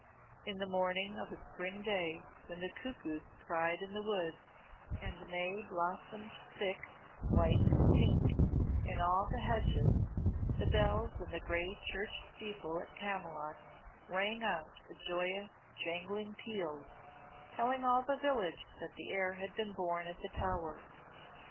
In the morning of a spring day when the cuckoos cried in the woods, and May blossomed thick, white and pink, in all the hedges, the bells in the grey church steeple at Camylott rang out a joyous, jangling peal, telling all the village that the heir had been born at the Tower.